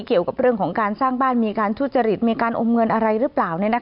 เกี่ยวกับเรื่องของการสร้างบ้านมีการทุจริตมีการอมเงินอะไรหรือเปล่า